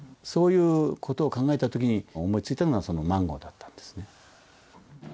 そういうことを考えた時に思いついたのがマンゴーだったんですね。